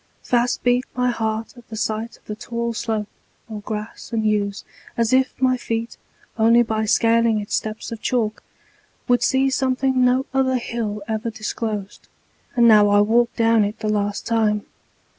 Fast beat My heart at the sight of the tall slope Or grass and yews, as if my feet Only by scaling its steps of chalk Would see something no other hill Ever disclosed. And now I walk Down it the last time.